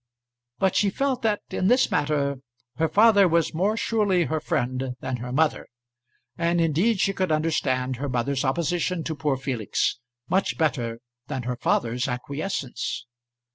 But she felt that, in this matter, her father was more surely her friend than her mother. And indeed she could understand her mother's opposition to poor Felix, much better than her father's acquiescence.